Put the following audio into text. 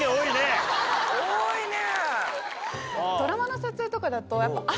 多いね。